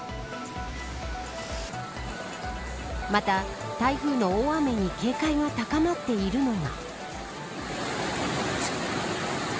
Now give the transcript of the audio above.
また、台風の大雨に警戒が高まっているのは。